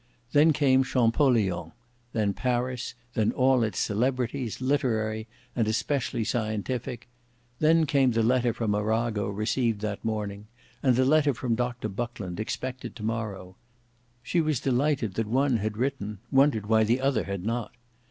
Then came Champollion; then Paris; then all its celebrities, literary and especially scientific; then came the letter from Arago received that morning; and the letter from Dr Buckland expected to morrow. She was delighted that one had written; wondered why the other had not.